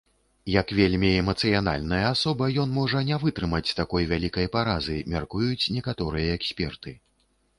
Як вельмі эмацыянальная асоба, ён можа не вытрымаць такой вялікай паразы, мяркуюць некаторыя эксперты.